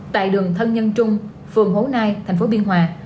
tại đường thân nhân trung phường hố nai thành phố biên hòa